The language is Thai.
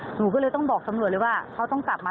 หนูก็เลยต้องบอกตำรวจเลยว่าเขาต้องกลับมา